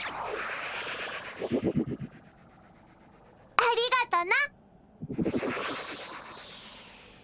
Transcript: ありがとな。